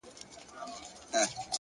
ښه نیت د ښه عمل پیل دی،